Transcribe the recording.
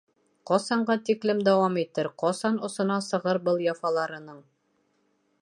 Ҡасанға тиклем дауам итер, ҡасан осона сығыр был яфаларының?..